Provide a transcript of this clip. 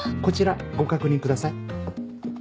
こちらご確認ください。